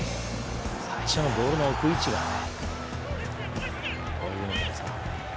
最初のボールの置く位置がね。